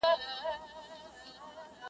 خان به د لویو دښمنیو فیصلې کولې-